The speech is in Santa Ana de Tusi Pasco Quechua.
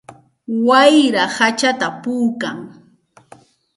Wayra hachata puukan.